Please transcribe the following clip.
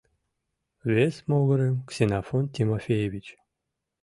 Вес могырым — Ксенофонт Тимофеевич.